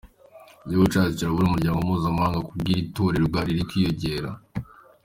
Igihugu cyacu kiraburira Umuryango Mpuzamahanga kubw’iri terabwoba riri kwiyongera.